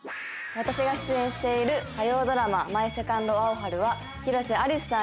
私が出演している火曜ドラマ「マイ・セカンド・アオハル」は広瀬アリスさん